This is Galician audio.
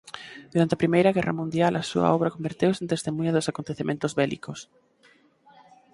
Durante a Primeira Guerra Mundial a súa obra converteuse en testemuña dos acontecementos bélicos.